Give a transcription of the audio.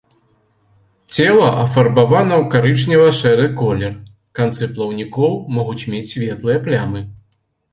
Цела афарбавана ў карычнева-шэры колер, канцы плаўнікоў могуць мець светлыя плямы.